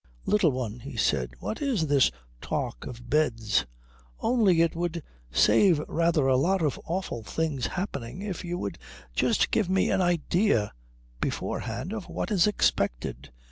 "Little One," he said, "what is this talk of beds?" "Only that it would save rather a lot of awful things happening if you would just give me an idea beforehand of what is expected.